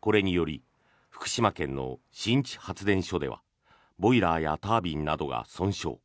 これにより福島県の新地発電所ではボイラーやタービンなどが損傷。